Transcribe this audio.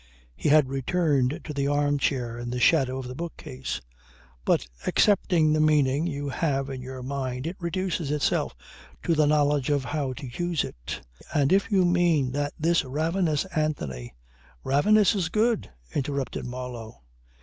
He had returned to the arm chair in the shadow of the bookcase. "But accepting the meaning you have in your mind it reduces itself to the knowledge of how to use it. And if you mean that this ravenous Anthony " "Ravenous is good," interrupted Marlow.